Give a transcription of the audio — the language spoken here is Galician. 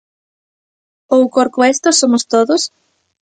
Ou Corcoesto somos todos?